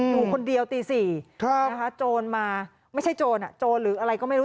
อยู่คนเดียวตี๔นะคะโจรมาไม่ใช่โจรโจรหรืออะไรก็ไม่รู้